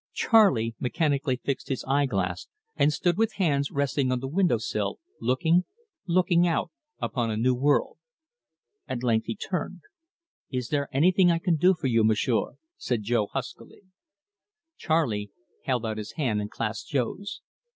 Charley mechanically fixed his eye glass and stood with hands resting on the window sill, looking, looking out upon a new world. At length he turned. "Is there anything I can do for you, M'sieu'?" said Jo huskily. Charley held out his hand and clasped Jo's.